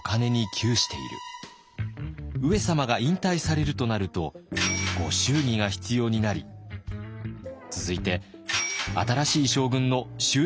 上様が引退されるとなるとご祝儀が必要になり続いて新しい将軍の就任祝いも必要になる。